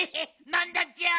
なんだっちゃ？